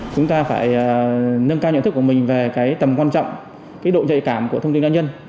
chúng ta phải nâng cao nhận thức của mình về tầm quan trọng độ nhạy cảm của thông tin doanh nhân